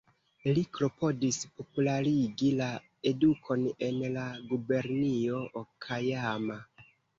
Li klopodis popularigi la edukon en la gubernio Okajama.